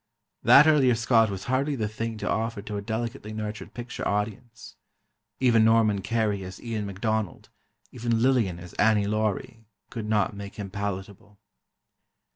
That earlier Scot was hardly the thing to offer to a delicately nurtured picture audience. Even Norman Kerry as Ian MacDonald, even Lillian as Annie Laurie, could not make him palatable.